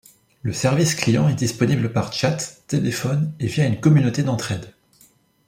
Le service client est disponible par chat, téléphone et via une communauté d'entraide.